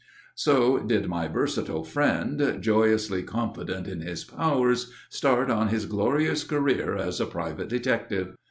So did my versatile friend, joyously confident in his powers, start on his glorious career as a private detective.